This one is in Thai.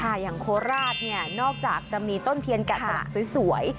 อย่างโคราชเนี่ยนอกจากจะมีต้นเทียนแกะสลักสวย